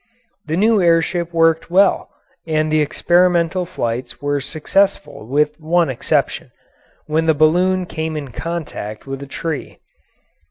The new air ship worked well, and the experimental flights were successful with one exception when the balloon came in contact with a tree.